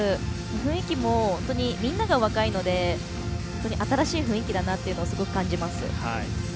雰囲気も本当にみんなが若いので新しい雰囲気だなとすごく感じます。